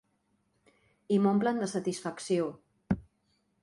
I m’omplen de satisfacció.